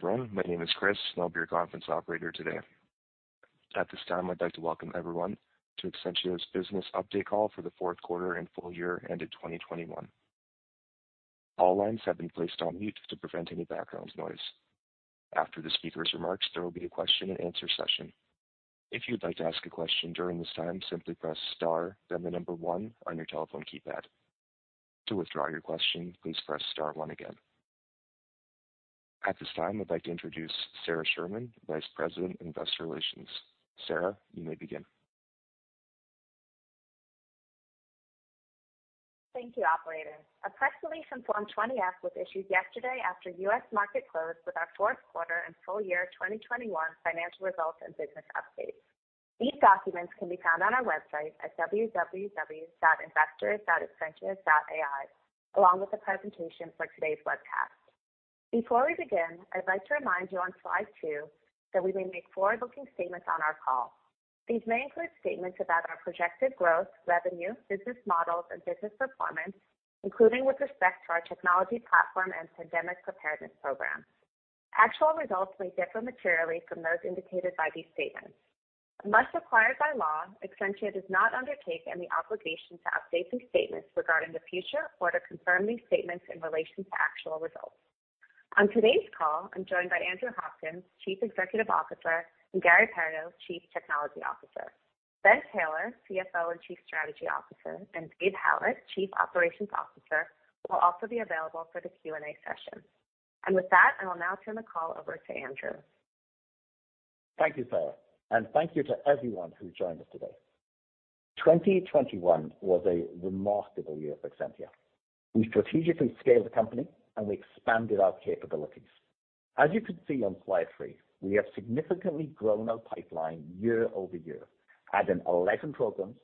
Hello, everyone. My name is Chris and I'll be your conference operator today. At this time, I'd like to welcome everyone to Exscientia's business update call for the fourth quarter and full year ended 2021. All lines have been placed on mute to prevent any background noise. After the speaker's remarks, there will be a question-and-answer session. If you'd like to ask a question during this time, simply press star, then the number one on your telephone keypad. To withdraw your question, please press star one again. At this time, I'd like to introduce Sara Sherman, Vice President, Investor Relations. Sara, you may begin. Thank you, operator. A press release and Form 20-F was issued yesterday after U.S. market closed with our fourth quarter and full year 2021 financial results and business updates. These documents can be found on our website at www.investor.exscientia.ai, along with the presentation for today's webcast. Before we begin, I'd like to remind you on slide two that we may make forward-looking statements on our call. These may include statements about our projected growth, revenue, business models, and business performance, including with respect to our technology platform and pandemic preparedness program. Actual results may differ materially from those indicated by these statements. Unless required by law, Exscientia does not undertake any obligation to update these statements regarding the future or to confirm these statements in relation to actual results. On today's call, I'm joined by Andrew Hopkins, Chief Executive Officer, and Garry Pairaudeau, Chief Technology Officer. Ben Taylor, CFO and Chief Strategy Officer, and David Hallett, Chief Operating Officer, will also be available for the Q&A session. With that, I will now turn the call over to Andrew. Thank you, Sarah, and thank you to everyone who joined us today. 2021 was a remarkable year for Exscientia. We strategically scaled the company and we expanded our capabilities. As you can see on slide three, we have significantly grown our pipeline year-over-year, adding 11 programs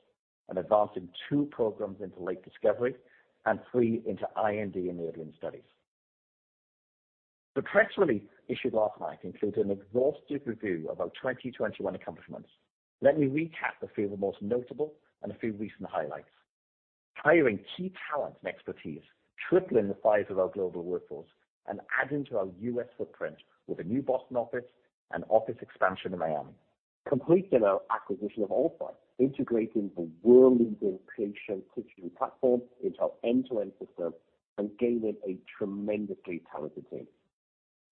and advancing two programs into late discovery and three into IND-enabling studies. The press release issued last night includes an exhaustive review of our 2021 accomplishments. Let me recap a few of the most notable and a few recent highlights, hiring key talent and expertise, tripling the size of our global workforce and adding to our U.S. footprint with a new Boston office and office expansion in Miami. Completing our acquisition of Allcyte, integrating the world-leading patient tissue screening platform into our end-to-end system and gaining a tremendously talented team.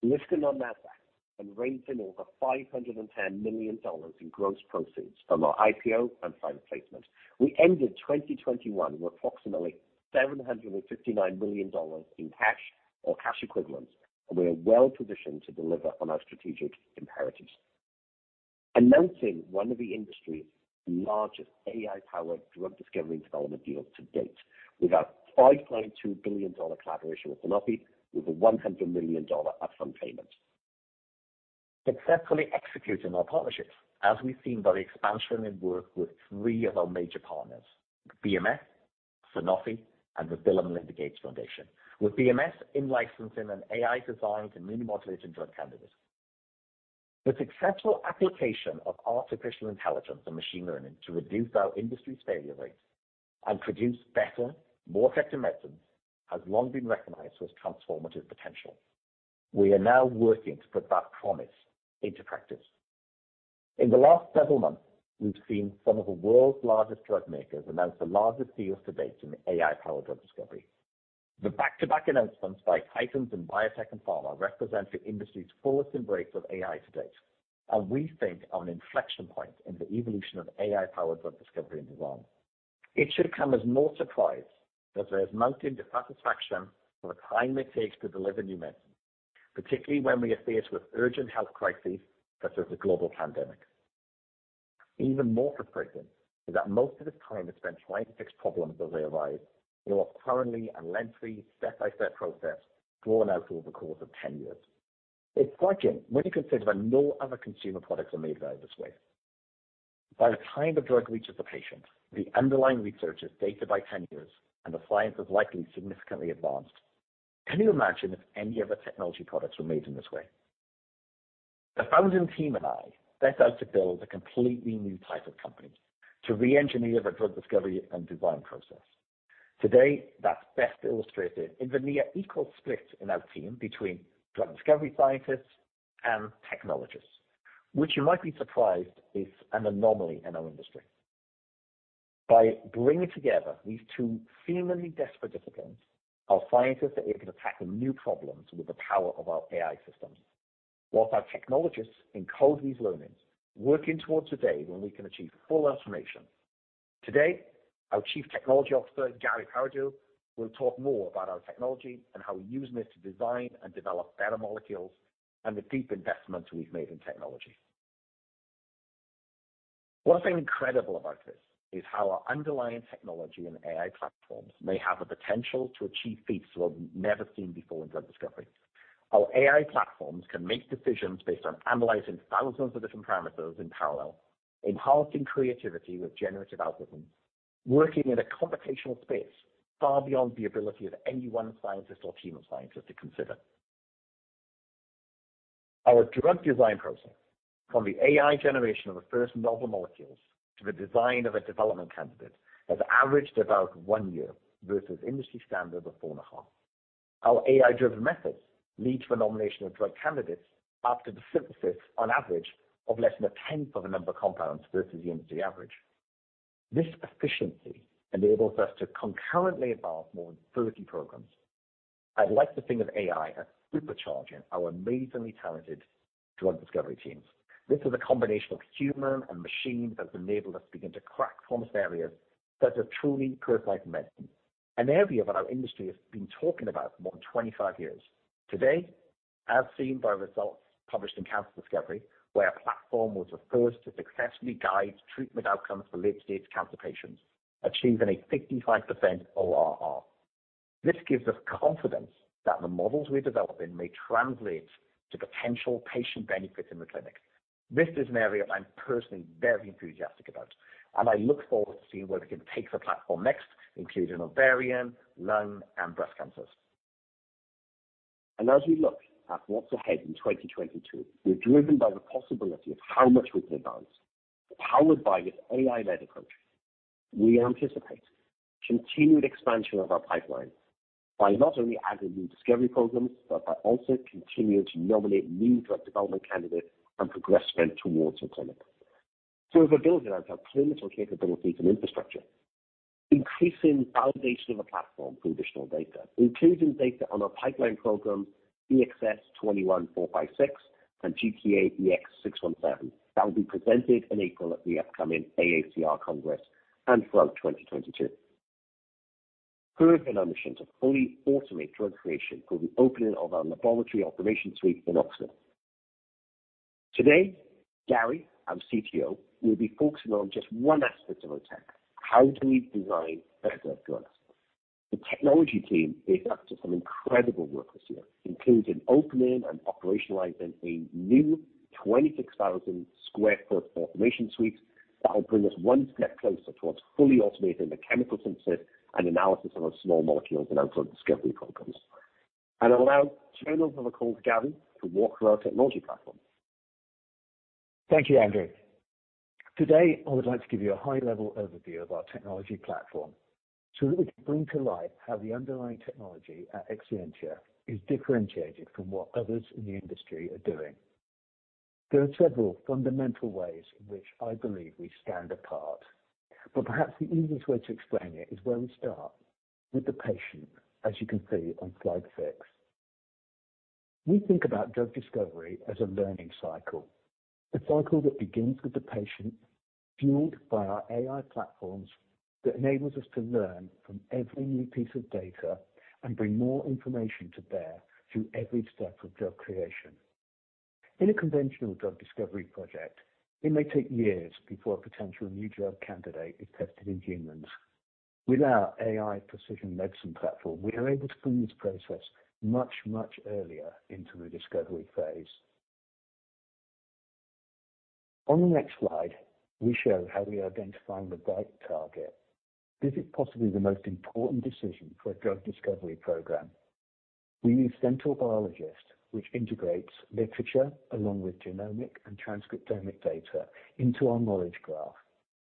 Listing on Nasdaq and raising over $510 million in gross proceeds from our IPO and private placement. We ended 2021 with approximately $759 million in cash or cash equivalents, and we are well-positioned to deliver on our strategic imperatives. Announcing one of the industry's largest AI-powered drug discovery and development deals to date with our $5.2 billion collaboration with Sanofi, with a $100 million upfront payment. Successfully executing our partnerships, as we've seen by the expansion in work with three of our major partners, BMS, Sanofi, and the Bill & Melinda Gates Foundation, with BMS in-licensing an AI-designed and immunomodulating drug candidate. The successful application of artificial intelligence and machine learning to reduce our industry's failure rates and produce better, more effective medicines has long been recognized as transformative potential. We are now working to put that promise into practice. In the last several months, we've seen some of the world's largest drug makers announce the largest deals to date in AI-powered drug discovery. The back-to-back announcements by Titans in biotech and pharma represent the industry's fullest embrace of AI to date, and we think are an inflection point in the evolution of AI-powered drug discovery and design. It should come as no surprise that there's mounting dissatisfaction for the time it takes to deliver new medicines, particularly when we are faced with urgent health crises such as the global pandemic. Even more frustrating is that most of this time is spent trying to fix problems as they arise through what's currently a lengthy step-by-step process drawn out over the course of 10 years. It's striking when you consider that no other consumer products are made this way. By the time the drug reaches the patient, the underlying research is dated by 10 years and the science has likely significantly advanced. Can you imagine if any other technology products were made in this way? The founding team and I set out to build a completely new type of company to reengineer the drug discovery and design process. Today, that's best illustrated in the near equal split in our team between drug discovery scientists and technologists, which you might be surprised is an anomaly in our industry. By bringing together these two seemingly disparate disciplines, our scientists are able to tackle new problems with the power of our AI systems, whilst our technologists encode these learnings, working towards a day when we can achieve full automation. Today, our Chief Technology Officer, Garry Pairaudeau, will talk more about our technology and how we're using this to design and develop better molecules and the deep investments we've made in technology. What's incredible about this is how our underlying technology and AI platforms may have the potential to achieve feats that we've never seen before in drug discovery. Our AI platforms can make decisions based on analyzing thousands of different parameters in parallel, enhancing creativity with generative algorithms, working in a computational space far beyond the ability of any one scientist or team of scientists to consider. Our drug design process. From the AI generation of the first novel molecules to the design of a development candidate has averaged about one year versus industry standard of four and a half years. Our AI-driven methods lead to the nomination of drug candidates after the synthesis on average of less than a tenth of the number of compounds versus the industry average. This efficiency enables us to concurrently advance more than 30 programs. I'd like to think of AI as supercharging our amazingly talented drug discovery teams. This is a combination of human and machine that has enabled us to begin to crack foremost areas such as truly personalized medicine, an area that our industry has been talking about for more than 25 years. Today, as seen by results published in Cancer Discovery, where our platform was the first to successfully guide treatment outcomes for late-stage cancer patients, achieving a 55% ORR. This gives us confidence that the models we're developing may translate to potential patient benefits in the clinic. This is an area I'm personally very enthusiastic about, and I look forward to seeing where we can take the platform next, including ovarian, lung, and breast cancers. As we look at what's ahead in 2022, we're driven by the possibility of how much we can advance. Powered by this AI-led approach, we anticipate continued expansion of our pipeline by not only adding new discovery programs, but by also continuing to nominate new drug development candidates and progress them towards the clinic. We're building out our clinical capabilities and infrastructure, increasing validation of the platform through additional data, including data on our pipeline program, EXS21546 and GTAEXS617 that will be presented in April at the upcoming AACR Congress and throughout 2022. Further in our mission to fully automate drug creation with the opening of our laboratory automation suite in Oxford. Today, Garry, our CTO, will be focusing on just one aspect of our tech: how do we design better drugs? The technology team is up to some incredible work this year, including opening and operationalizing a new 26,000 sq ft automation suite that will bring us one step closer towards fully automating the chemical synthesis and analysis of our small molecules in our drug discovery programs. I'll now turn over the call to Garry to walk through our technology platform. Thank you, Andrew. Today, I would like to give you a high-level overview of our technology platform so that we can bring to light how the underlying technology at Exscientia is differentiated from what others in the industry are doing. There are several fundamental ways in which I believe we stand apart, but perhaps the easiest way to explain it is where we start, with the patient, as you can see on slide six. We think about drug discovery as a learning cycle. A cycle that begins with the patient, fueled by our AI platforms that enables us to learn from every new piece of data and bring more information to bear through every step of drug creation. In a conventional drug discovery project, it may take years before a potential new drug candidate is tested in humans. With our AI precision medicine platform, we are able to bring this process much, much earlier into the discovery phase. On the next slide, we show how we identify the right target. This is possibly the most important decision for a drug discovery program. We use Centaur Biologist, which integrates literature along with genomic and transcriptomic data into our knowledge graph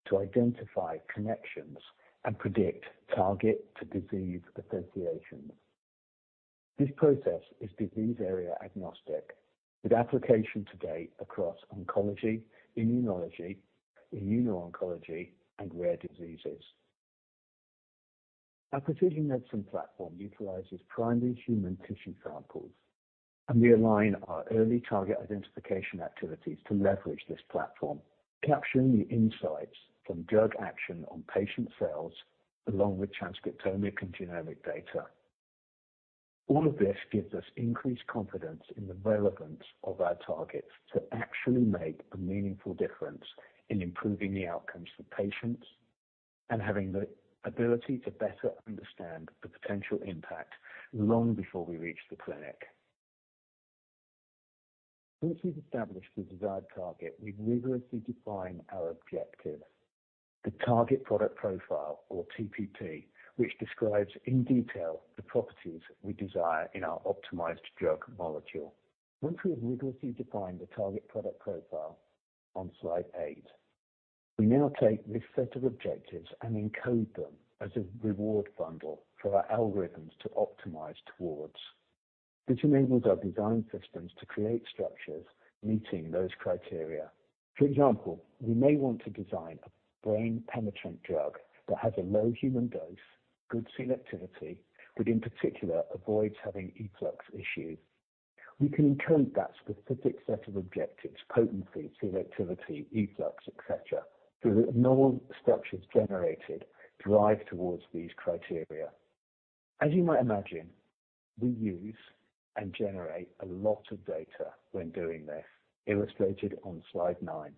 to identify connections and predict target to disease associations. This process is disease area-agnostic, with application today across oncology, immunology, immuno-oncology, and rare diseases. Our precision medicine platform utilizes primary human tissue samples, and we align our early target identification activities to leverage this platform, capturing the insights from drug action on patient cells, along with transcriptomic and genomic data. All of this gives us increased confidence in the relevance of our targets to actually make a meaningful difference in improving the outcomes for patients and having the ability to better understand the potential impact long before we reach the clinic. Once we've established the desired target, we rigorously define our objective, the target product profile or TPP, which describes in detail the properties we desire in our optimized drug molecule. Once we have rigorously defined the target product profile on slide eight, we now take this set of objectives and encode them as a reward bundle for our algorithms to optimize towards, which enables our design systems to create structures meeting those criteria. For example, we may want to design a brain-penetrant drug that has a low human dose, good selectivity, but in particular, avoids having efflux issues. We can encode that specific set of objectives, potency, selectivity, efflux, et cetera, so that normal structures generated drive towards these criteria. As you might imagine, we use and generate a lot of data when doing this, illustrated on slide nine.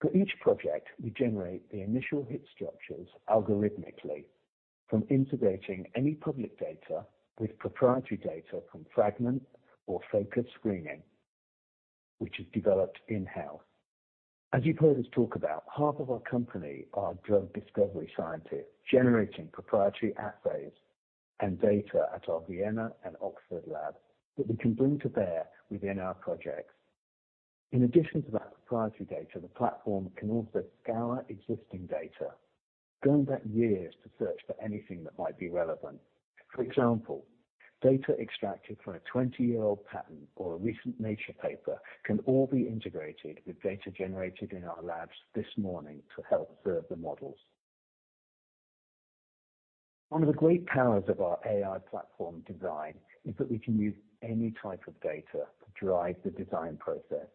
For each project, we generate the initial hit structures algorithmically from integrating any public data with proprietary data from fragment or focused screening, which is developed in-house. As you've heard us talk about, half of our company are drug discovery scientists, generating proprietary assays and data at our Vienna and Oxford lab that we can bring to bear within our projects. In addition to that proprietary data, the platform can also scour existing data, going back years to search for anything that might be relevant. For example, data extracted from a 20-year-old patent or a recent Nature paper can all be integrated with data generated in our labs this morning to help serve the models. One of the great powers of our AI platform design is that we can use any type of data to drive the design process,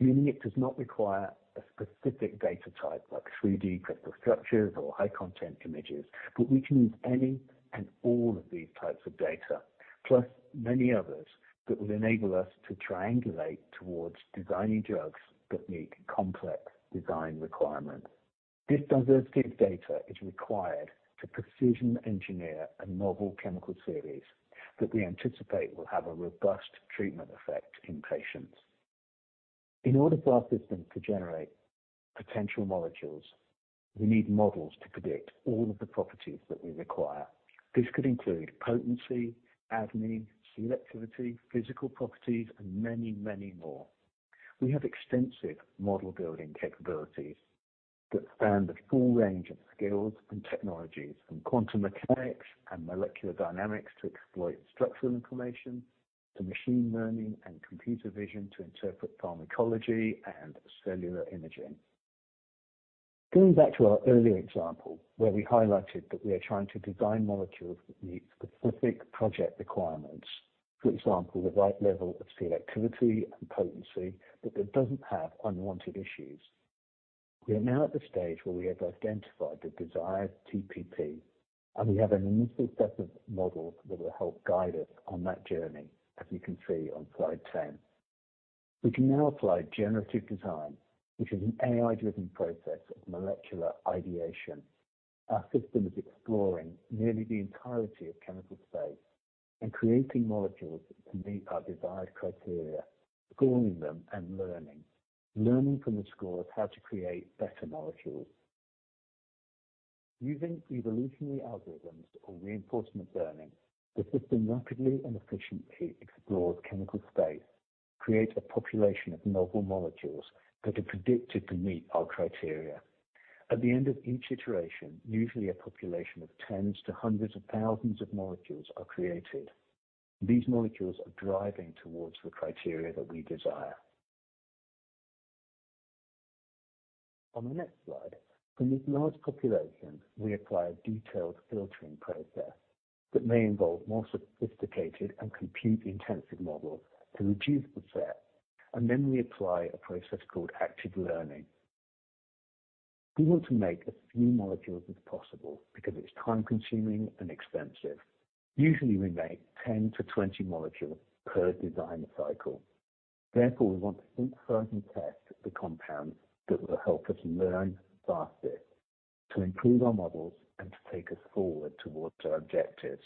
meaning it does not require a specific data type like 3D crystal structures or high-content images, but we can use any and all of these types of data, plus many others, that will enable us to triangulate towards designing drugs that meet complex design requirements. This diversity of data is required to precision engineer a novel chemical series that we anticipate will have a robust treatment effect in patients. In order for our system to generate potential molecules, we need models to predict all of the properties that we require. This could include potency, ADME, selectivity, physical properties, and many, many more. We have extensive model-building capabilities that span the full range of skills and technologies, from quantum mechanics and molecular dynamics to exploit structural information, to machine learning and computer vision to interpret pharmacology and cellular imaging. Going back to our earlier example where we highlighted that we are trying to design molecules that meet specific project requirements, for example, the right level of selectivity and potency, but that doesn't have unwanted issues. We are now at the stage where we have identified the desired TPP, and we have an initial set of models that will help guide us on that journey, as you can see on slide 10. We can now apply generative design, which is an AI-driven process of molecular ideation. Our system is exploring nearly the entirety of chemical space and creating molecules that can meet our desired criteria, scoring them and learning from the scores how to create better molecules. Using evolutionary algorithms or reinforcement learning, the system rapidly and efficiently explores chemical space, creates a population of novel molecules that are predicted to meet our criteria. At the end of each iteration, usually a population of tens to hundreds of thousands of molecules are created. These molecules are driving towards the criteria that we desire. On the next slide, from this large population, we apply a detailed filtering process that may involve more sophisticated and compute-intensive models to reduce the set, and then we apply a process called active learning. We want to make as few molecules as possible because it's time-consuming and expensive. Usually, we make 10 to 20 molecules per design cycle. Therefore, we want to synthesize and test the compounds that will help us learn faster, to improve our models, and to take us forward towards our objectives.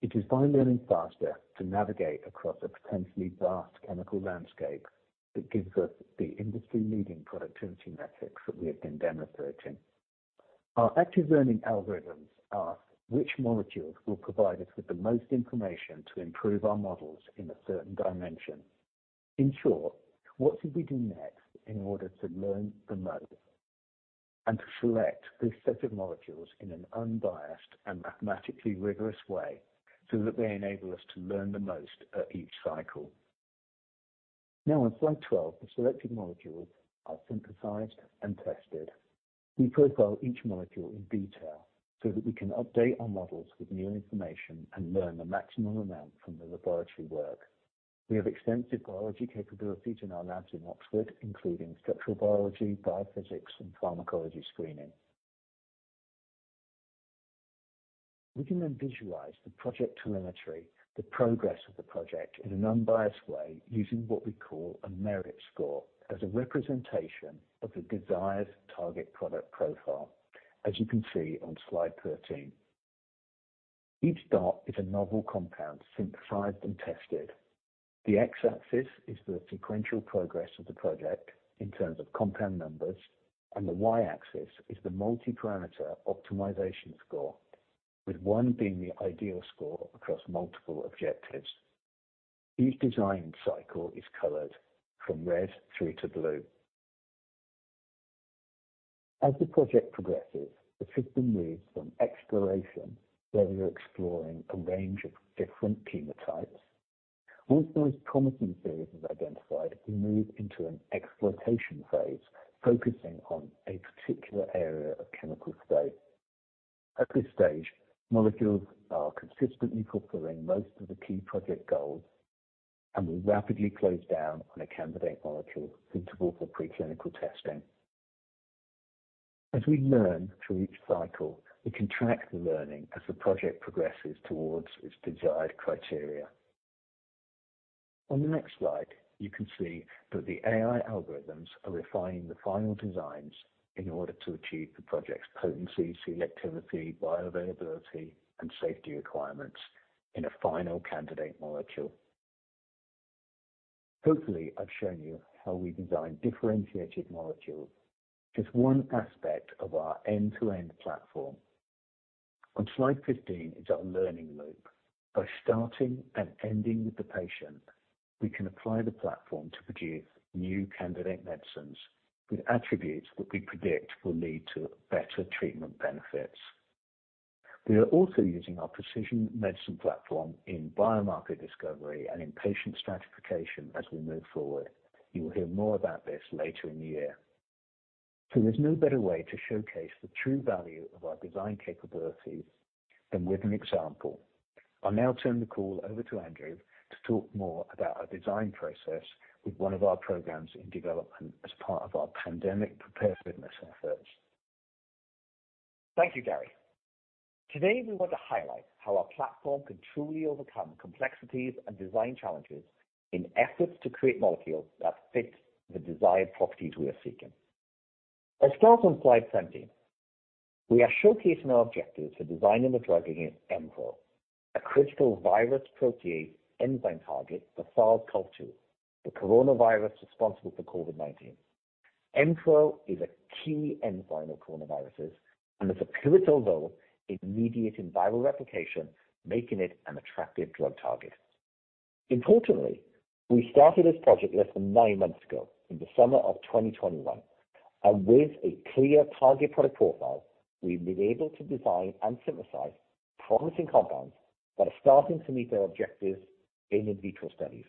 It is by learning faster to navigate across a potentially vast chemical landscape that gives us the industry-leading productivity metrics that we have been demonstrating. Our active learning algorithms ask which molecules will provide us with the most information to improve our models in a certain dimension. In short, what should we do next in order to learn the most and to select this set of molecules in an unbiased and mathematically rigorous way so that they enable us to learn the most at each cycle? Now on slide 12, the selected molecules are synthesized and tested. We profile each molecule in detail so that we can update our models with new information and learn the maximum amount from the laboratory work. We have extensive biology capabilities in our labs in Oxford, including structural biology, biophysics, and pharmacology screening. We can then visualize the project telemetry, the progress of the project, in an unbiased way using what we call a merit score as a representation of the desired target product profile, as you can see on slide 13. Each dot is a novel compound synthesized and tested. The x-axis is the sequential progress of the project in terms of compound numbers, and the y-axis is the multi-parameter optimization score, with one being the ideal score across multiple objectives. Each design cycle is colored from red through to blue. As the project progresses, the system moves from exploration, where we are exploring a range of different chemotypes. Once the most promising series is identified, we move into an exploitation phase, focusing on a particular area of chemical space. At this stage, molecules are consistently fulfilling most of the key project goals, and we rapidly close down on a candidate molecule suitable for preclinical testing. As we learn through each cycle, we can track the learning as the project progresses towards its desired criteria. On the next slide, you can see that the AI algorithms are refining the final designs in order to achieve the project's potency, selectivity, bioavailability, and safety requirements in a final candidate molecule. Hopefully, I've shown you how we design differentiated molecules, just one aspect of our end-to-end platform. On slide 15 is our learning loop. By starting and ending with the patient, we can apply the platform to produce new candidate medicines with attributes that we predict will lead to better treatment benefits. We are also using our precision medicine platform in biomarker discovery and in patient stratification as we move forward. You will hear more about this later in the year. There's no better way to showcase the true value of our design capabilities than with an example. I'll now turn the call over to Andrew to talk more about our design process with one of our programs in development as part of our pandemic preparedness efforts. Thank you, Garry. Today, we want to highlight how our platform can truly overcome complexities and design challenges in efforts to create molecules that fit the desired properties we are seeking. Let's start on slide 17. We are showcasing our objectives for designing the drug against Mpro, a critical virus protease enzyme target for SARS-CoV-2, the coronavirus responsible for COVID-19. Mpro is a key enzyme of coronaviruses and has a pivotal role in mediating viral replication, making it an attractive drug target. Importantly, we started this project less than nine months ago in the summer of 2021. With a clear target product profile, we've been able to design and synthesize promising compounds that are starting to meet their objectives in vitro studies.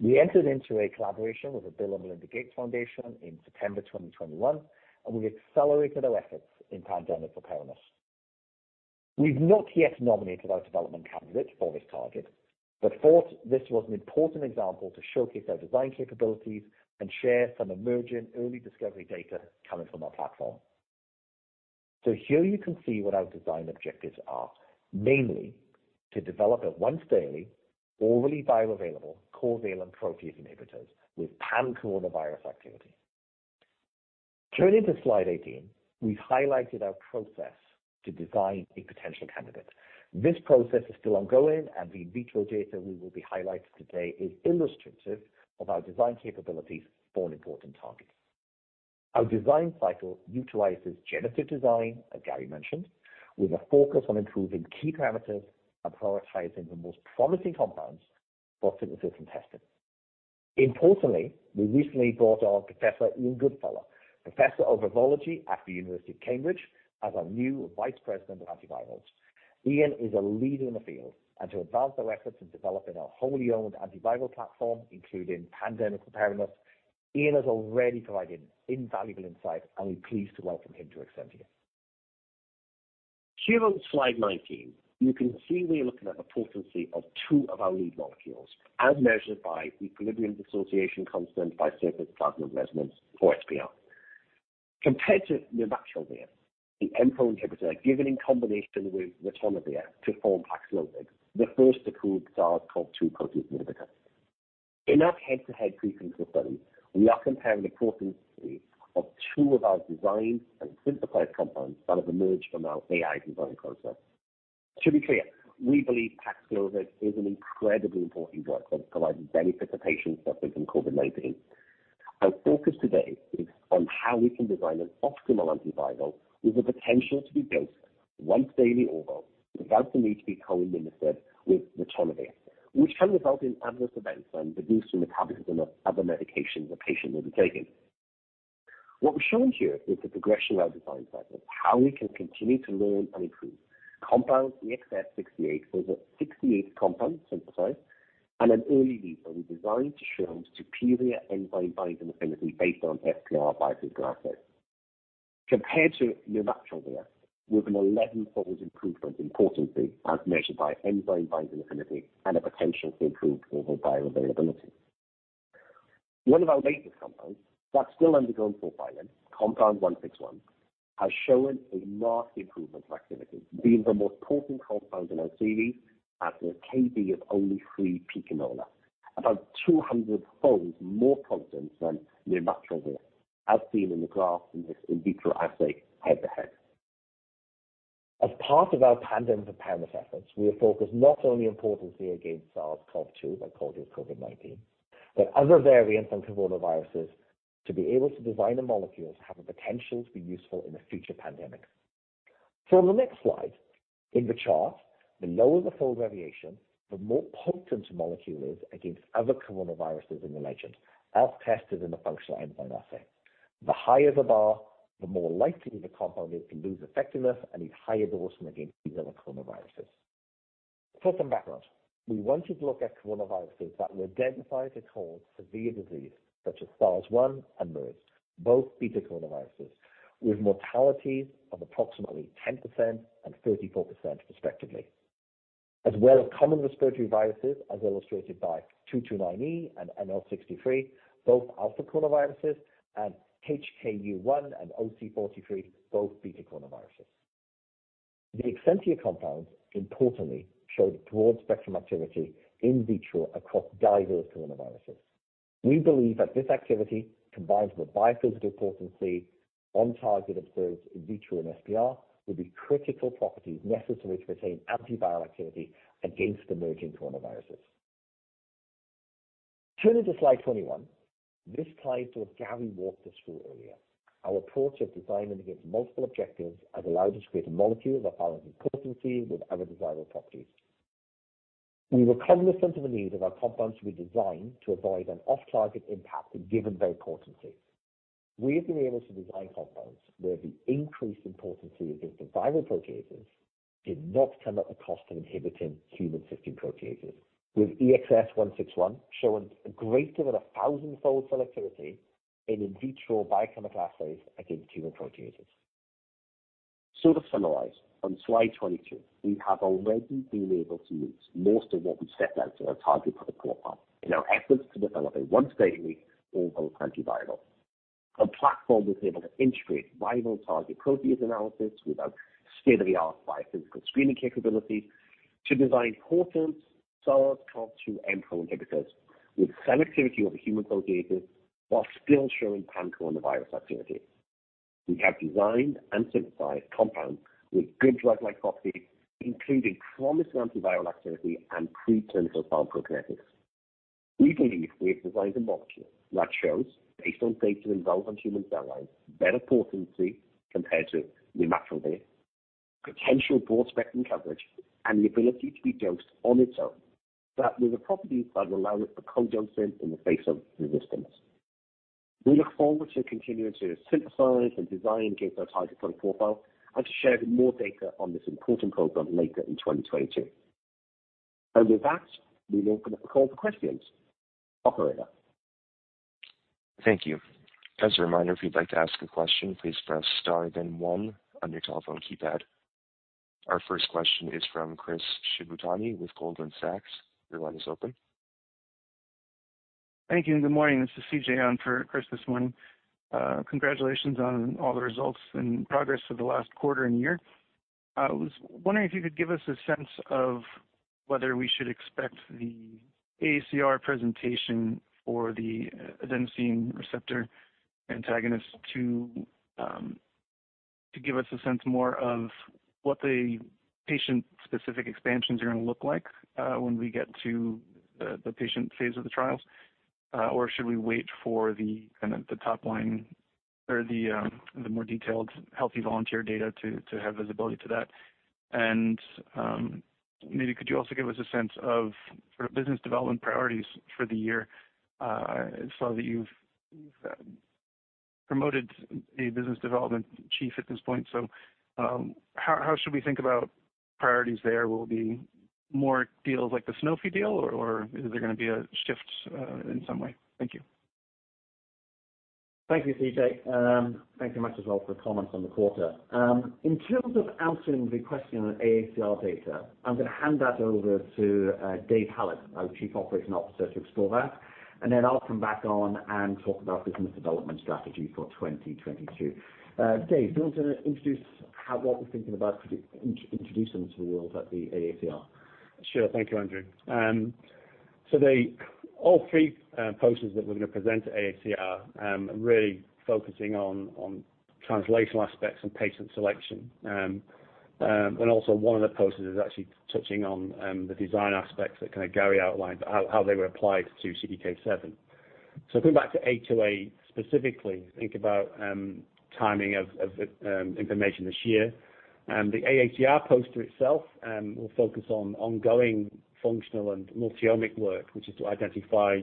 We entered into a collaboration with the Bill & Melinda Gates Foundation in September 2021, and we've accelerated our efforts in pandemic preparedness. We've not yet nominated our development candidate for this target, but thought this was an important example to showcase our design capabilities and share some emerging early discovery data coming from our platform. Here you can see what our design objectives are. Mainly, to develop a once-daily, orally bioavailable covalent protease inhibitors with pan-coronavirus activity. Turning to slide 18, we've highlighted our process to design a potential candidate. This process is still ongoing, and the in vitro data we will be highlighting today is illustrative of our design capabilities for an important target. Our design cycle utilizes generative design, as Garry mentioned, with a focus on improving key parameters and prioritizing the most promising compounds for synthesis and testing. Importantly, we recently brought on Professor Ian Goodfellow, Professor of Virology at the University of Cambridge, as our new Vice President of Antivirals. Ian is a leader in the field, and to advance our efforts in developing our wholly owned antiviral platform, including pandemic preparedness, Ian has already provided invaluable insight, and we're pleased to welcome him to Exscientia. Here on slide 19, you can see we are looking at the potency of two of our lead molecules as measured by the equilibrium dissociation constant by surface plasmon resonance or SPR. Compared to nirmatrelvir, the Mpro inhibitor given in combination with ritonavir to form PAXLOVID, the first approved SARS-CoV-2 protease inhibitor, in our head-to-head preclinical study, we are comparing the potency of two of our designed and synthesized compounds that have emerged from our AI design process. To be clear, we believe PAXLOVID is an incredibly important drug that's provided benefit to patients suffering from COVID-19. Our focus today is on how we can design an optimal antiviral with the potential to be dosed once daily oral without the need to be co-administered with ritonavir, which can result in adverse events due to reduced metabolism of other medications a patient may be taking. What we're showing here is the progression of our design cycle, how we can continue to learn and improve. Compound EXS-68 was our 68th compound synthesized and an early leader we designed to show superior enzyme binding affinity based on SPR binding assay compared to nirmatrelvir, with an 11-fold improvement in potency as measured by enzyme binding affinity and a potential to improve overall bioavailability. One of our latest compounds that's still undergoing profiling, compound 161, has shown a marked improvement of activity, being the most potent compound in our series at a KD of only 3 picomolar. About 200-fold more potent than nirmatrelvir, as seen in the graph in this in vitro assay head-to-head. As part of our pandemic preparedness efforts, we are focused not only on potency against SARS-CoV-2 that causes COVID-19, but other variants and coronaviruses to be able to design a molecule to have a potential to be useful in a future pandemic. On the next slide, in the chart, the lower the fold variation, the more potent a molecule is against other coronaviruses in the legend, as tested in a functional enzyme assay. The higher the bar, the more likely the compound is to lose effectiveness and need higher dosing against similar coronaviruses. For some background, we wanted to look at coronaviruses that were identified to cause severe disease such as SARS-1 and MERS, both beta coronaviruses, with mortalities of approximately 10% and 34% respectively. As well as common respiratory viruses as illustrated by 229E and NL63, both alphacoronaviruses, and HKU1 and OC43, both betacoronaviruses. The Exscientia compounds, importantly, showed broad-spectrum activity in vitro across diverse coronaviruses. We believe that this activity combines with biophysical potency on target observed in vitro and SPR will be critical properties necessary to retain antiviral activity against emerging coronaviruses. Turning to slide 21. This slide sort of Garry walked us through earlier. Our approach of designing against multiple objectives has allowed us to create a molecule with balancing potency with other desirable properties. We were cognizant of the need of our compounds to be designed to avoid an off-target impact given their potency. We have been able to design compounds where the increase in potency against the viral proteases did not come at the cost of inhibiting human host proteases, with EXS-161 showing a greater than 1000-fold selectivity in in vitro biochemical assays against human proteases. To finalize, on slide 22, we have already been able to meet most of what we set out in our target product profile in our efforts to develop a once daily oral antiviral. Our platform was able to integrate viral target protease analysis with our state-of-the-art biophysical screening capability to design potent SARS-CoV-2 Mpro inhibitors with selectivity over human proteases while still showing pan-coronavirus activity. We have designed and synthesized compounds with good drug-like properties, including promising antiviral activity and pre-clinical pharmacokinetics. We believe we have designed a molecule that shows, based on data in relevant human cell lines, better potency compared to nirmatrelvir, potential broad-spectrum coverage, and the ability to be dosed on its own, but with the properties that allow it for co-dosing in the face of resistance. We look forward to continuing to synthesize and design against our target product profile and to share more data on this important program later in 2022. With that, we will open up the call for questions. Operator. Thank you. As a reminder, if you'd like to ask a question, please press star then one on your telephone keypad. Our first question is from Chris Shibutani with Goldman Sachs. Your line is open. Thank you, and good morning. This is CJ on for Chris this morning. Congratulations on all the results and progress for the last quarter and year. I was wondering if you could give us a sense of whether we should expect the AACR presentation for the adenosine receptor antagonist to give us a sense more of what the patient-specific expansions are gonna look like when we get to the patient phase of the trials. Or should we wait for the kind of the top line or the more detailed healthy volunteer data to have visibility to that? And maybe could you also give us a sense of sort of business development priorities for the year? I saw that you've promoted a business development chief at this point. How should we think about priorities there? Will there be more deals like the Sanofi deal, or is there gonna be a shift, in some way? Thank you. Thank you, CJ. Thank you very much as well for comments on the quarter. In terms of answering the question on AACR data, I'm gonna hand that over to Dave Hallett, our Chief Operating Officer, to explore that. Then I'll come back on and talk about business development strategy for 2022. Dave, do you want to introduce what we're thinking about introducing to the world at the AACR? Sure. Thank you, Andrew. All three posters that we're gonna present at AACR are really focusing on translational aspects and patient selection. Also one of the posters is actually touching on the design aspects that kinda Garry outlined, how they were applied to CDK7. Going back to A2A, specifically, think about timing of information this year. The AACR poster itself will focus on ongoing functional and multi-omic work, which is to identify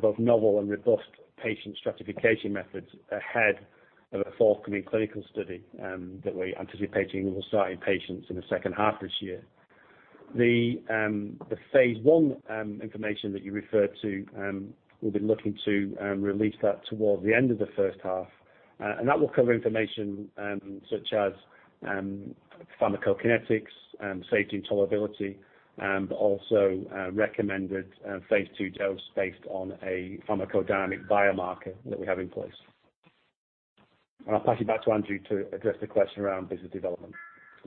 both novel and robust patient stratification methods ahead of a forthcoming clinical study that we're anticipating will start in patients in the second half of this year. The phase I information that you referred to, we'll be looking to release that towards the end of the first half. That will cover information, such as, pharmacokinetics, safety and tolerability, but also, recommended phase II dose based on a pharmacodynamic biomarker that we have in place. I'll pass you back to Andrew to address the question around business development.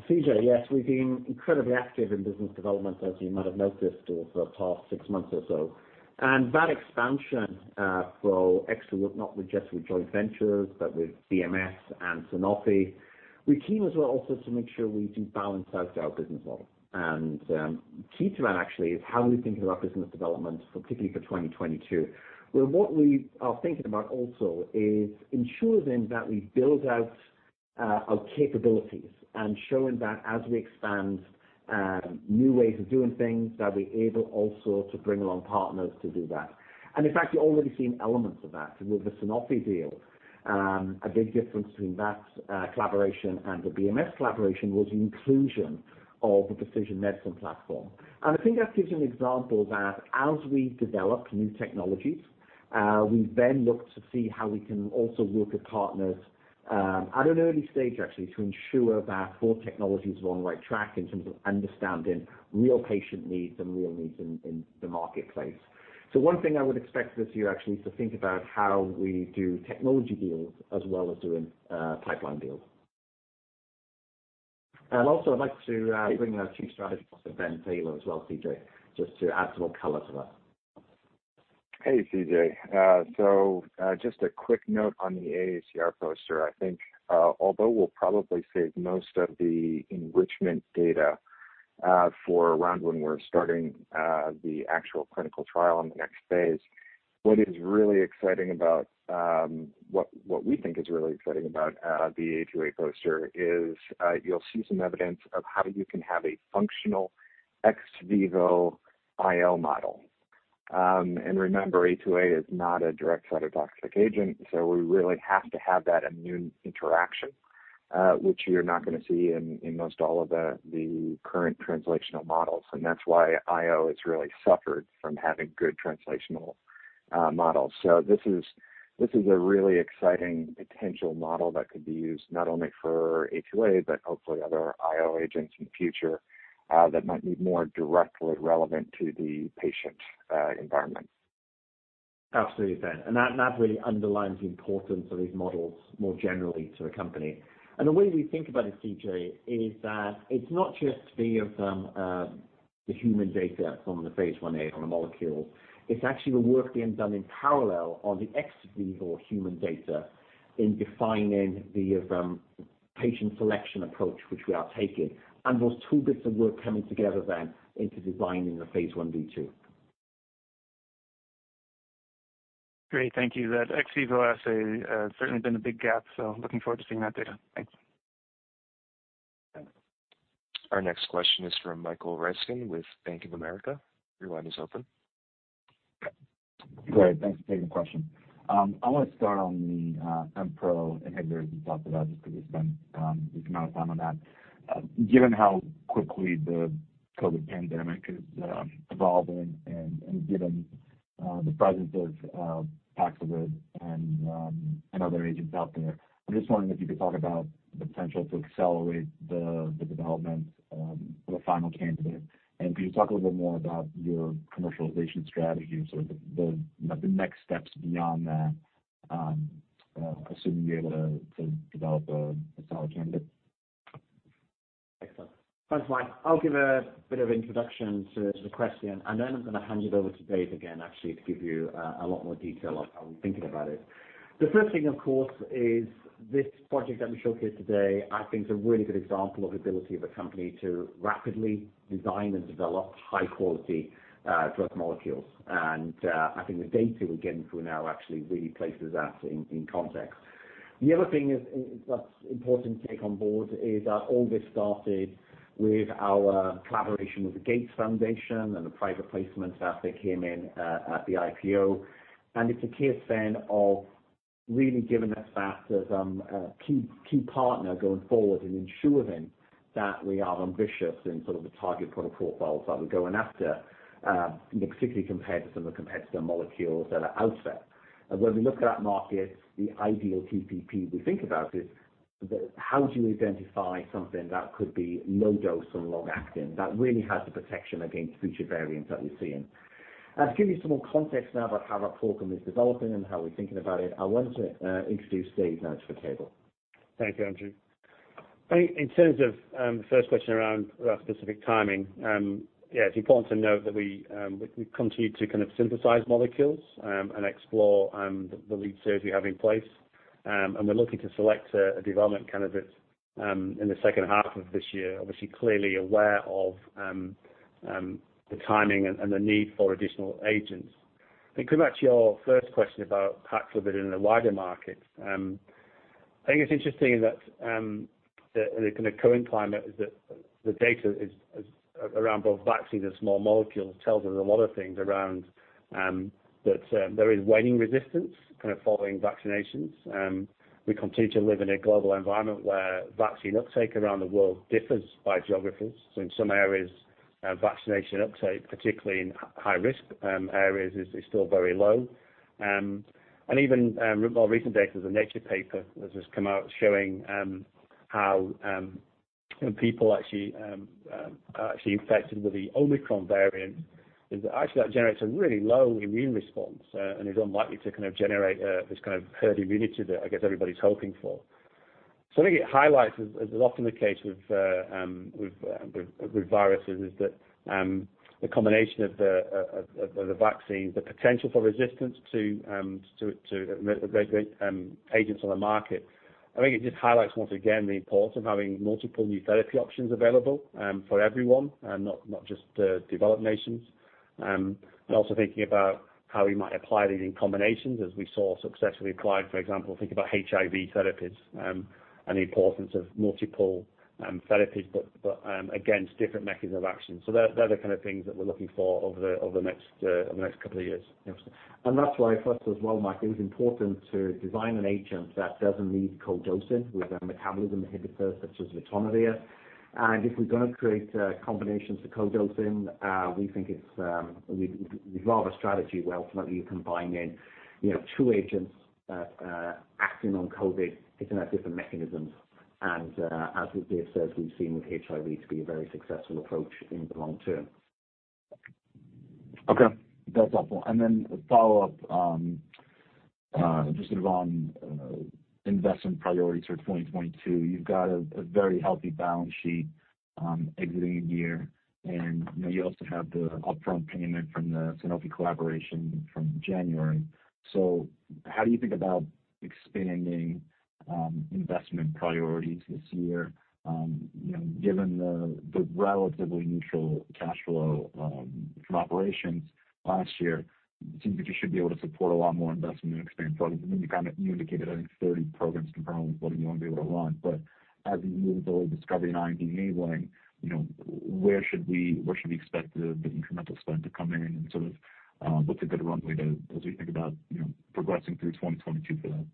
CJ, yes, we've been incredibly active in business development, as you might have noticed over the past six months or so. That expansion for Exscientia was not just with joint ventures, but with BMS and Sanofi. We came as well also to make sure we do balance out our business model. Key to that actually is how we're thinking about business development, particularly for 2022. What we are thinking about also is ensuring that we build out our capabilities and showing that as we expand new ways of doing things, that we're able also to bring along partners to do that. In fact, you've already seen elements of that. With the Sanofi deal, a big difference between that collaboration and the BMS collaboration was the inclusion of the precision medicine platform. I think that gives you an example that as we develop new technologies, we then look to see how we can also work with partners, at an early stage actually, to ensure that both technologies are on the right track in terms of understanding real patient needs and real needs in the marketplace. One thing I would expect this year actually is to think about how we do technology deals as well as doing pipeline deals. Also I'd like to bring our Chief Strategy Officer, Ben Taylor, as well, CJ, just to add some more color to that. Hey, CJ. So, just a quick note on the AACR poster. I think, although we'll probably save most of the enrichment data for around when we're starting the actual clinical trial in the next phase, what we think is really exciting about the A2A poster is, you'll see some evidence of how you can have a functional ex vivo IO model. And remember, A2A is not a direct cytotoxic agent, so we really have to have that immune interaction, which you're not gonna see in most all of the current translational models. That's why IO has really suffered from having good translational models. This is a really exciting potential model that could be used not only for A2A, but hopefully other IO agents in the future that might be more directly relevant to the patient environment. Absolutely, Ben. That really underlines the importance of these models more generally to the company. The way we think about it, CJ, is that it's not just the human data from the phase I-A on a molecule, it's actually the work being done in parallel on the ex vivo human data in defining the patient selection approach which we are taking, and those two bits of work coming together then into designing the phase I-B, phase II. Great. Thank you. That ex vivo assay has certainly been a big gap, so looking forward to seeing that data. Thanks. Our next question is from Michael Ryskin with Bank of America. Your line is open. Great. Thanks for taking the question. I wanna start on the Mpro inhibitor you talked about, just 'cause you spent a good amount of time on that. Given how quickly the COVID pandemic is evolving and given the presence of PAXLOVID and other agents out there, I'm just wondering if you could talk about the potential to accelerate the development of a final candidate. Could you talk a little bit more about your commercialization strategy and sort of the you know the next steps beyond that, assuming you're able to develop a solid candidate? Thanks, Mike. I'll give a bit of introduction to the question, and then I'm gonna hand you over to Dave again, actually, to give you a lot more detail on how we're thinking about it. The first thing, of course, is this project that we showcased today I think is a really good example of ability of a company to rapidly design and develop high-quality drug molecules. I think the data we're getting through now actually really places that in context. The other thing that's important to take on board is that all this started with our collaboration with the Gates Foundation and the private placements as they came in at the IPO. It's a case then of really giving us that as a key partner going forward and ensuring that we are ambitious in sort of the target product profiles that we're going after, you know, particularly compared to some of the competitor molecules that are out there. When we look at that market, the ideal TPP we think about is the how do you identify something that could be low dose and long acting, that really has the protection against future variants that we're seeing. To give you some more context now about how that program is developing and how we're thinking about it, I want to introduce Dave now to the table. Thank you, Andrew. I think in terms of the first question around specific timing, yeah, it's important to note that we continue to kind of synthesize molecules and explore the lead series we have in place. We're looking to select a development candidate in the second half of this year. Obviously, clearly aware of the timing and the need for additional agents. Coming back to your first question about PAXLOVID in the wider market, I think it's interesting that the kind of current climate is that the data is around both vaccines and small molecules tells us a lot of things around that there is waning resistance kind of following vaccinations. We continue to live in a global environment where vaccine uptake around the world differs by geographies. In some areas, vaccination uptake, particularly in high-risk areas, is still very low. Even more recent data, the Nature paper that has come out showing how, you know, people actually are actually infected with the Omicron variant actually generates a really low immune response and is unlikely to kind of generate this kind of herd immunity that I guess everybody's hoping for. I think it highlights, as often the case with viruses, that the combination of the vaccines, the potential for resistance to the agents on the market. I think it just highlights once again the importance of having multiple new therapy options available for everyone and not just developed nations. Also thinking about how we might apply these in combinations as we saw successfully applied, for example, think about HIV therapies, and the importance of multiple therapies but against different mechanisms of action. They're the kind of things that we're looking for over the next couple of years. That's why for us as well, Mike, it was important to design an agent that doesn't need co-dosing with a metabolism inhibitor such as ritonavir. If we're gonna create combinations for co-dosing, we think it's we'd rather a strategy where ultimately you combine in you know two agents acting on COVID hitting at different mechanisms. As Dave says, we've seen with HIV to be a very successful approach in the long term. Okay. That's helpful. A follow-up, just sort of on investment priorities for 2022. You've got a very healthy balance sheet, exiting the year. You know, you also have the upfront payment from the Sanofi collaboration from January. How do you think about expanding investment priorities this year? You know, given the relatively neutral cash flow from operations last year, it seems like you should be able to support a lot more investment in expansion. You indicated, I think 30 programs concurrently is what you want to be able to run. As you move the discovery and IND line, you know, where should we expect the incremental spend to come in, and sort of, what's a good runway to, as we think about, you know, progressing through 2022 for that?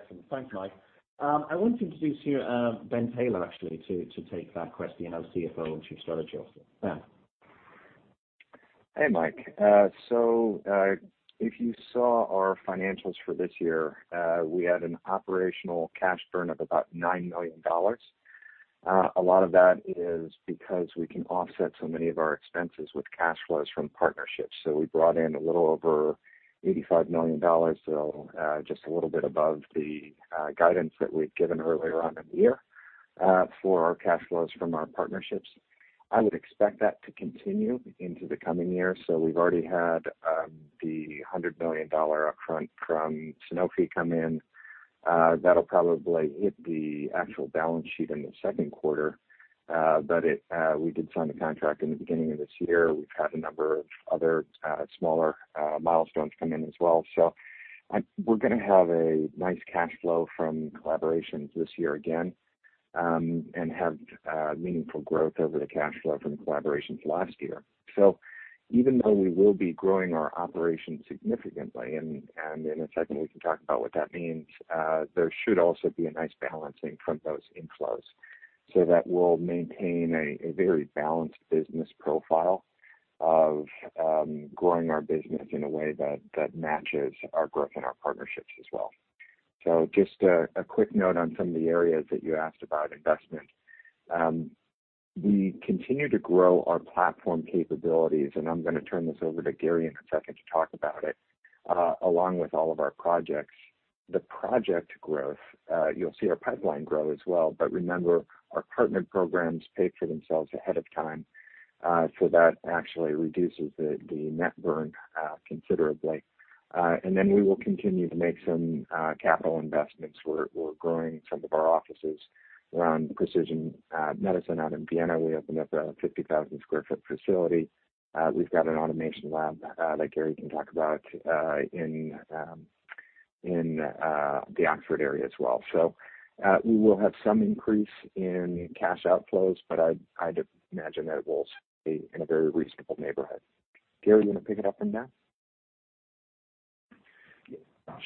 Excellent. Thanks, Mike. I want to introduce you, Ben Taylor, actually, to take that question, our CFO and Chief Strategy Officer. Ben. Hey, Mike. If you saw our financials for this year, we had an operational cash burn of about $9 million. A lot of that is because we can offset so many of our expenses with cash flows from partnerships. We brought in a little over $85 million, just a little bit above the guidance that we'd given earlier on in the year, for our cash flows from our partnerships. I would expect that to continue into the coming year. We've already had the $100 million upfront from Sanofi come in. That'll probably hit the actual balance sheet in the second quarter. We did sign the contract in the beginning of this year. We've had a number of other smaller milestones come in as well. We're gonna have a nice cash flow from collaborations this year again, and have meaningful growth over the cash flow from collaborations last year. Even though we will be growing our operations significantly, in a second we can talk about what that means, there should also be a nice balancing from those inflows. That will maintain a very balanced business profile of growing our business in a way that matches our growth in our partnerships as well. Just a quick note on some of the areas that you asked about investment. We continue to grow our platform capabilities, and I'm gonna turn this over to Garry in a second to talk about it, along with all of our projects. The projected growth, you'll see our pipeline grow as well, but remember, our partner programs pay for themselves ahead of time, so that actually reduces the net burn considerably. We will continue to make some capital investments. We're growing some of our offices around precision medicine. Out in Vienna, we opened up a 50,000 sq ft facility. We've got an automation lab that Garry can talk about in the Oxford area as well. We will have some increase in cash outflows, but I'd imagine that it will stay in a very reasonable neighborhood. Garry, you wanna pick it up from there?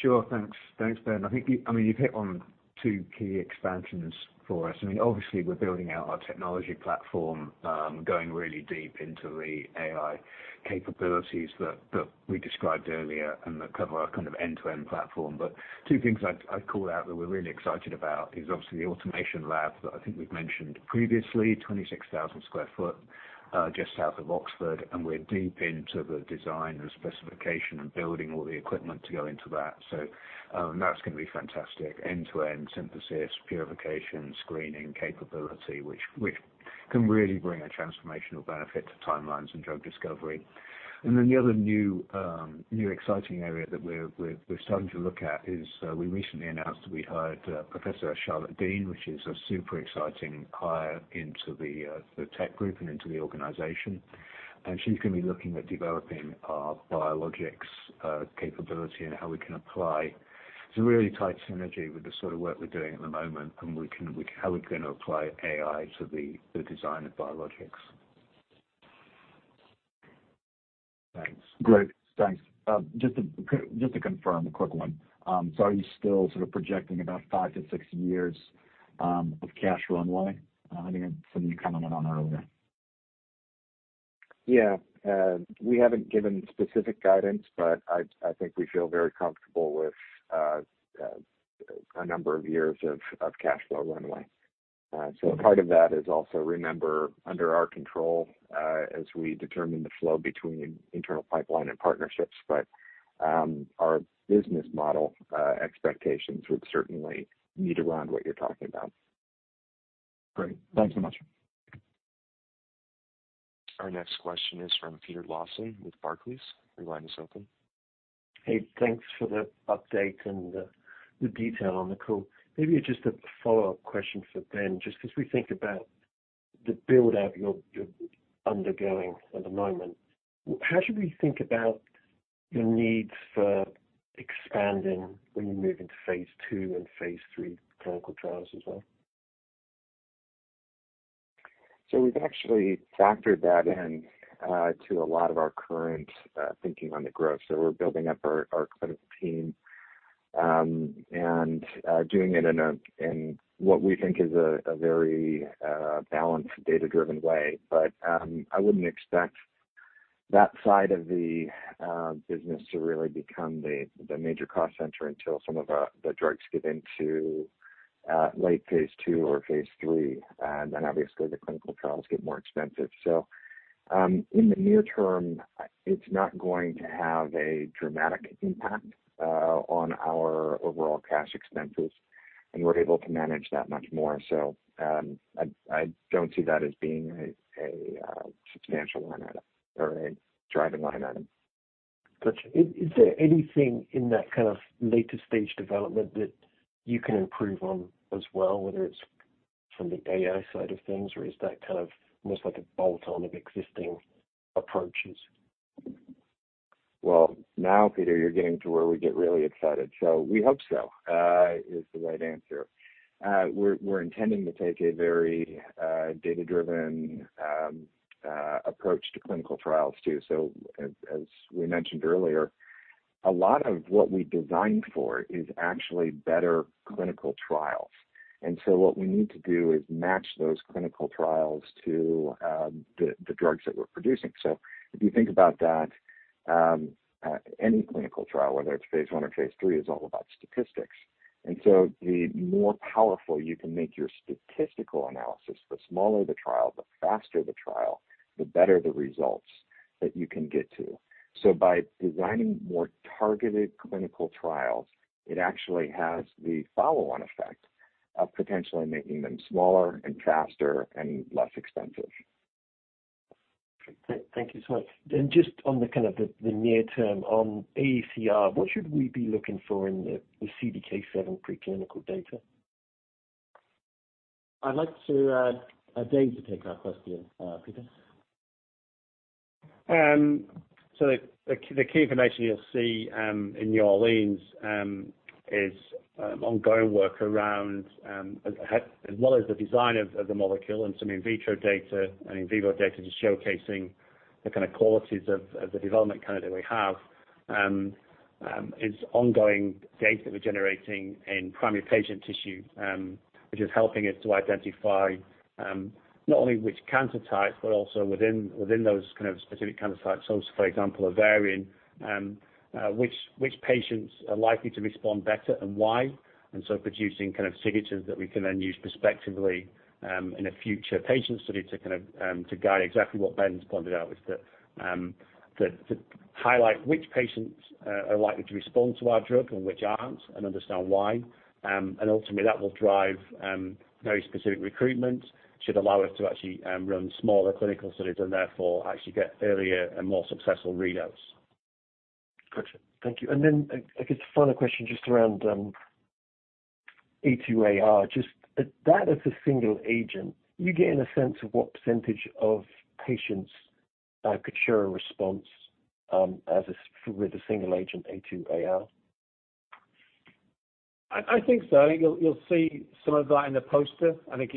Sure. Thanks. Thanks, Ben. I think. I mean, you've hit on two key expansions for us. I mean, obviously we're building out our technology platform, going really deep into the AI capabilities that we described earlier and that cover our kind of end-to-end platform. Two things I'd call out that we're really excited about is obviously the automation lab that I think we've mentioned previously, 26,000 sq ft just south of Oxford, and we're deep into the design and specification and building all the equipment to go into that. That's gonna be fantastic, end-to-end synthesis, purification, screening capability, which can really bring a transformational benefit to timelines and drug discovery. Then the other new exciting area that we're starting to look at is we recently announced that we hired Professor Charlotte Deane, which is a super exciting hire into the the tech group and into the organization. She's gonna be looking at developing our biologics capability and how we can apply. It's a really tight synergy with the sort of work we're doing at the moment, and how we're gonna apply AI to the design of biologics. Thanks. Great. Thanks. Just to confirm, a quick one. Are you still sort of projecting about five to six years of cash runway? I think some of you commented on that earlier. Yeah. We haven't given specific guidance, but I think we feel very comfortable with a number of years of cash flow runway. Part of that is also, remember, under our control as we determine the flow between internal pipeline and partnerships. Our business model expectations would certainly meet around what you're talking about. Great. Thanks so much. Our next question is from Peter Lawson with Barclays. Your line is open. Hey, thanks for the update and the detail on the call. Maybe just a follow-up question for Ben, just as we think about the build-out you're undergoing at the moment. How should we think about your needs for expanding when you move into phase II and phase III clinical trials as well? We've actually factored that in to a lot of our current thinking on the growth. We're building up our clinical team and doing it in what we think is a very balanced data-driven way. I wouldn't expect that side of the business to really become the major cost center until some of the drugs get into late phase II or phase III. Obviously the clinical trials get more expensive. In the near term, it's not going to have a dramatic impact on our overall cash expenses, and we're able to manage that much more. I don't see that as being a substantial line item or a driving line item. Got you. Is there anything in that kind of later stage development that you can improve on as well, whether it's from the AI side of things, or is that kind of almost like a bolt-on of existing approaches? Well, now, Peter, you're getting to where we get really excited. We hope so is the right answer. We're intending to take a very data-driven approach to clinical trials too. As we mentioned earlier, a lot of what we designed for is actually better clinical trials. What we need to do is match those clinical trials to the drugs that we're producing. If you think about that, any clinical trial, whether it's phase I or phase III, is all about statistics. The more powerful you can make your statistical analysis, the smaller the trial, the faster the trial, the better the results that you can get to. By designing more targeted clinical trials, it actually has the follow-on effect of potentially making them smaller and faster and less expensive. Thank you so much. Just on the kind of the near term on AACR, what should we be looking for in the CDK7 preclinical data? I'd like to, Dave to take that question, Peter. The key information you'll see in New Orleans is ongoing work around, as well as the design of the molecule and some in vitro data and in vivo data just showcasing the kind of qualities of the development candidate that we have, ongoing data we're generating in primary patient tissue, which is helping us to identify not only which cancer types, but also within those kind of specific cancer types. For example, ovarian, which patients are likely to respond better and why. Producing kind of signatures that we can then use prospectively in a future patient study to kind of to highlight which patients are likely to respond to our drug and which aren't, and understand why. Ultimately, that will drive very specific recruitment. Should allow us to actually run smaller clinical studies and therefore actually get earlier and more successful readouts. Gotcha. Thank you. I guess the final question, just around A2AR, just that as a single agent, are you getting a sense of what percentage of patients could show a response with the single agent A2AR? I think so. You'll see some of that in the poster. I think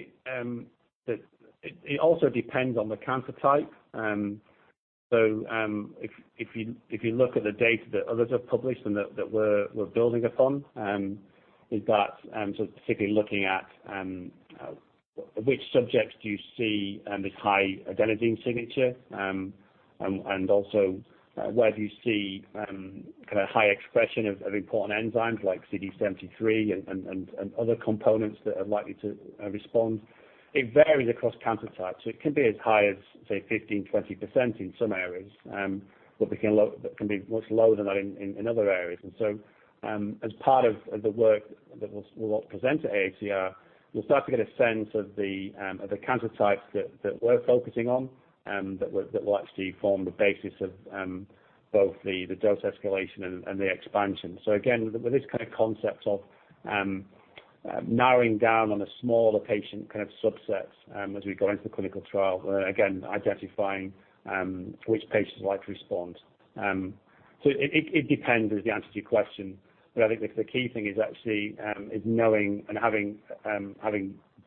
that it also depends on the cancer type. If you look at the data that others have published and that we're building upon, is that so specifically looking at which subjects do you see this high adenosine signature and also where do you see kind of high expression of important enzymes like CD73 and other components that are likely to respond. It varies across cancer types. It can be as high as, say, 15%-20% in some areas. It can be much lower than that in other areas. As part of the work that we'll present at AACR, you'll start to get a sense of the cancer types that we're focusing on that will actually form the basis of both the dose escalation and the expansion. With this kind of concept of narrowing down on a smaller patient kind of subset, as we go into the clinical trial, we're again identifying which patients are likely to respond. It depends is the answer to your question, but I think the key thing is actually is knowing and having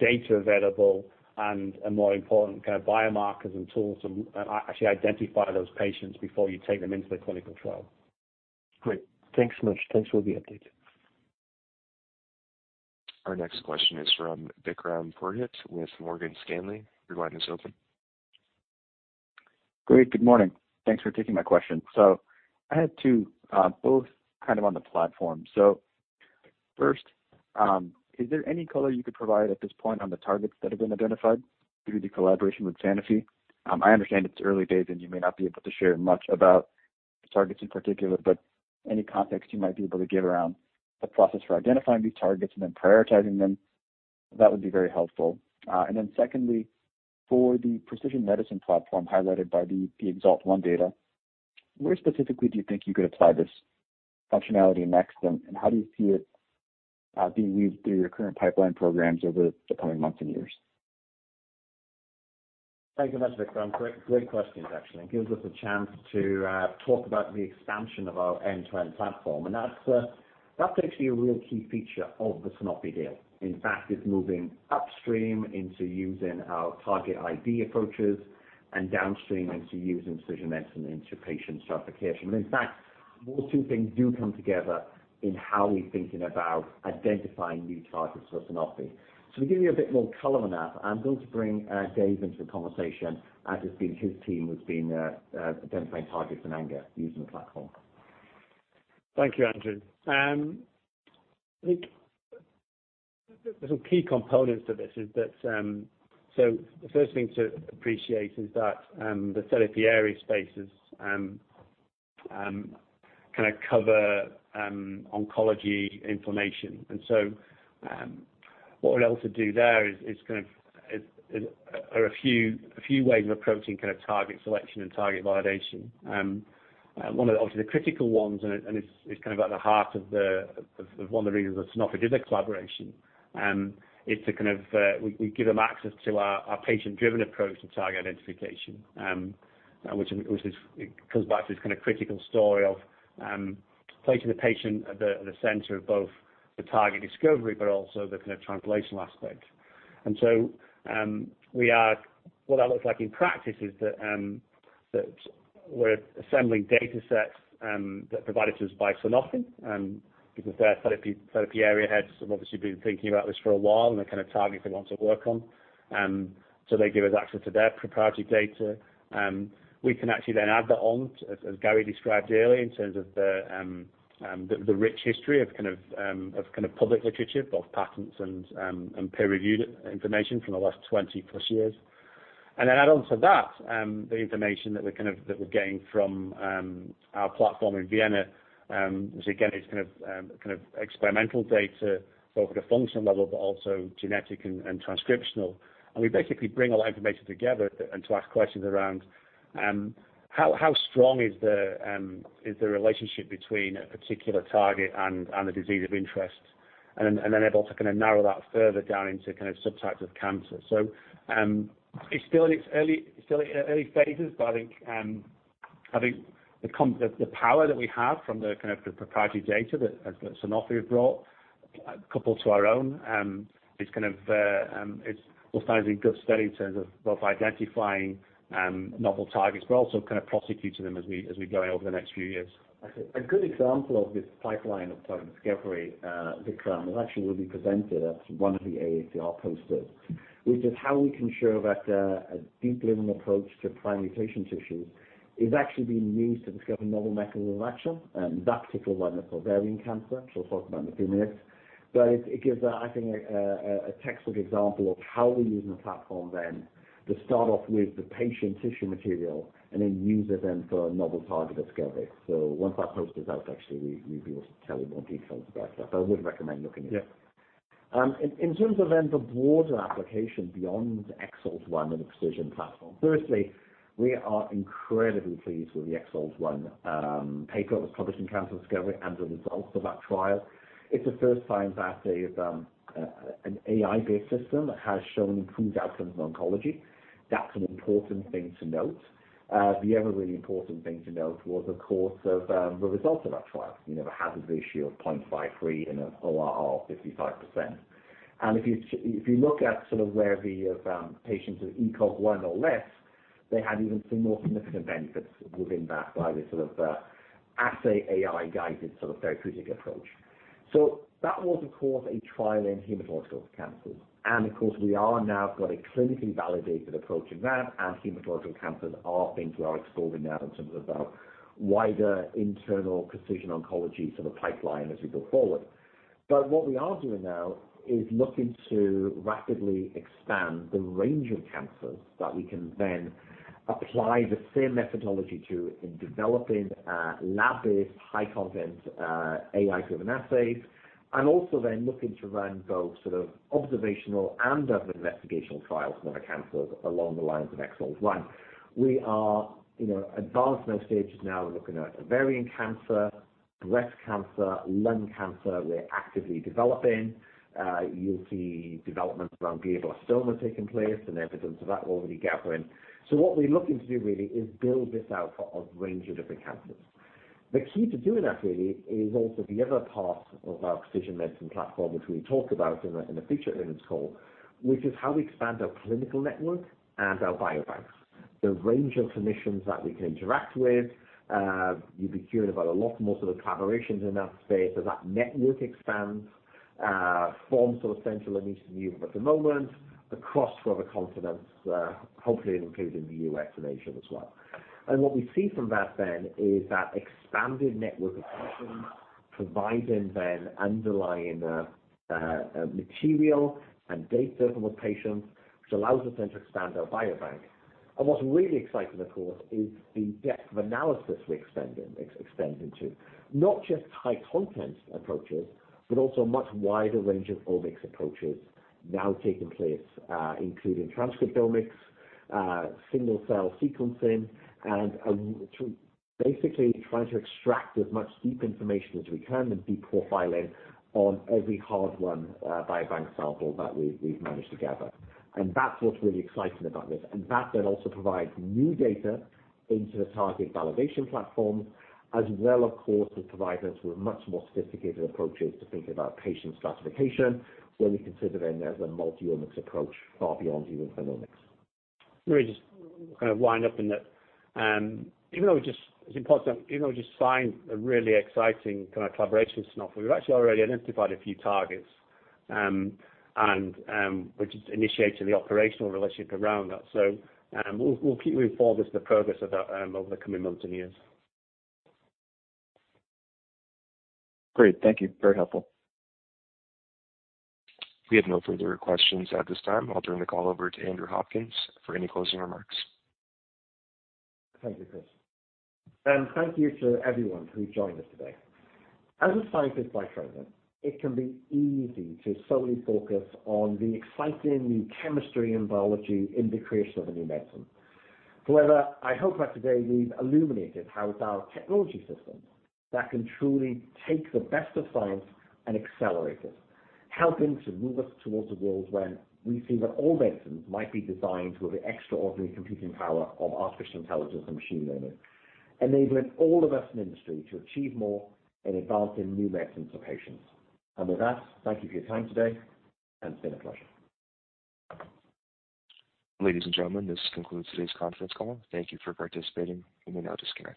data available and more important kind of biomarkers and tools to actually identify those patients before you take them into the clinical trial. Great. Thanks much. Thanks for the update. Our next question is from Vikram Purohit with Morgan Stanley. Your line is open. Great, good morning. Thanks for taking my question. I had two, both kind of on the platform. First, is there any color you could provide at this point on the targets that have been identified through the collaboration with Sanofi? I understand it's early days, and you may not be able to share much about targets in particular, but any context you might be able to give around the process for identifying these targets and then prioritizing them, that would be very helpful. Then secondly, for the precision medicine platform highlighted by the EXALT-1 data, where specifically do you think you could apply this functionality next, and how do you see it being weaved through your current pipeline programs over the coming months and years? Thank you much, Vikram. Great questions actually. It gives us a chance to talk about the expansion of our end-to-end platform, and that's actually a real key feature of the Sanofi deal. In fact, it's moving upstream into using our target ID approaches and downstream into using precision medicine into patient stratification. In fact, those two things do come together in how we're thinking about identifying new targets for Sanofi. To give you a bit more color on that, I'm going to bring Dave into the conversation, as it's been his team who's been identifying targets in anger using the platform. Thank you, Andrew. There's some key components to this, that the first thing to appreciate is that the therapy area spaces kinda cover oncology, inflammation. What we're able to do there is kind of a few ways of approaching kinda target selection and target validation. One of obviously the critical ones, and it's kind of at the heart of one of the reasons that Sanofi did the collaboration, is to kind of give them access to our patient-driven approach to target identification. Which comes back to this kinda critical story of placing the patient at the center of both the target discovery but also the kind of translational aspect. What that looks like in practice is that we're assembling datasets that are provided to us by Sanofi because their therapy area heads have obviously been thinking about this for a while and the kind of targets they want to work on. They give us access to their proprietary data. We can actually then add that on, as Garry described earlier, in terms of the rich history of kind of public literature, both patents and peer-reviewed information from the last 20+ years. Add on to that the information that we're getting from our platform in Vienna, which again is kind of experimental data both at a functional level but also genetic and transcriptional. We basically bring all that information together and to ask questions around how strong is the relationship between a particular target and the disease of interest, and then able to kinda narrow that further down into kind of subtypes of cancer. It's still in its early phases, but I think the power that we have from the kind of the proprietary data that Sanofi have brought, coupled to our own, is kind of it's starting to good stead in terms of both identifying novel targets, but also kind of prosecuting them as we go over the next few years. A good example of this pipeline of target discovery, Vikram, is actually will be presented at one of the AACR posters, which is how we can show that a deep learning approach to primary patient tissues is actually being used to discover novel mechanism of action, that particular one with ovarian cancer, which we'll talk about in a few minutes. It gives a, I think, a textbook example of how we're using the platform then to start off with the patient tissue material and then use it then for novel target discovery. Once that poster is out, actually we'll be able to tell you more details about that, but I would recommend looking at it. Yeah. In terms of the broader application beyond the EXALT-1 and the precision platform. Firstly, we are incredibly pleased with the EXALT-1 paper that was published in Cancer Discovery and the results of that trial. It's the first time that an AI-based system has shown improved outcomes in oncology. That's an important thing to note. The other really important thing to note was of course the results of that trial. You know, the hazard ratio of 0.53 and an ORR of 55%. If you look at where the patients with ECOG 1 or less, they had even some more significant benefits within that via sort of assay AI-guided therapeutic approach. That was, of course, a trial in hematological cancers. Of course, we are now got a clinically validated approach in that, and hematological cancers are things we are exploring now in terms of our wider internal precision oncology sort of pipeline as we go forward. What we are doing now is looking to rapidly expand the range of cancers that we can then apply the same methodology to in developing, lab-based high-content, AI-driven assays, also then looking to run both sort of observational and other investigational trials for other cancers along the lines of EXALT-1. We are, you know, advanced in those stages now. We're looking at ovarian cancer, breast cancer, lung cancer we're actively developing. You'll see developments around glioblastoma taking place and evidence of that already gathering. What we're looking to do really is build this out for a range of different cancers. The key to doing that really is also the other part of our precision medicine platform, which we talked about in the feature earlier in this call, which is how we expand our clinical network and our biobanks. The range of clinicians that we can interact with, you'll be hearing about a lot more sort of collaborations in that space as that network expands from sort of central and eastern Europe at the moment across to other continents, hopefully including the U.S. and Asia as well. What we see from that then is that expanded network of clinicians providing the underlying material and data from the patients, which allows us then to expand our biobank. What's really exciting, of course, is the depth of analysis we're extending to. Not just high-content approaches, but also a much wider range of omics approaches now taking place, including transcriptomics, single-cell sequencing, and to basically trying to extract as much deep information as we can and deep profiling on every hard-won biobank sample that we've managed to gather. That's what's really exciting about this. That then also provides new data into the target validation platform, as well, of course, it provides us with much more sophisticated approaches to think about patient stratification when we consider then as a multi-omics approach far beyond even genomics. Let me just kind of wind up in that. It's important, even though we just signed a really exciting kind of collaboration with Sanofi, we've actually already identified a few targets, and which has initiated the operational relationship around that. We'll keep you informed as to the progress of that over the coming months and years. Great. Thank you. Very helpful. We have no further questions at this time. I'll turn the call over to Andrew Hopkins for any closing remarks. Thank you, Chris. Thank you to everyone who's joined us today. As a scientist by training, it can be easy to solely focus on the exciting new chemistry and biology in the creation of a new medicine. However, I hope that today we've illuminated how it's our technology systems that can truly take the best of science and accelerate it, helping to move us towards a world where we see that all medicines might be designed with the extraordinary computing power of artificial intelligence and machine learning, enabling all of us in industry to achieve more in advancing new medicines for patients. With that, thank you for your time today, and it's been a pleasure. Ladies and gentlemen, this concludes today's conference call. Thank you for participating. You may now disconnect.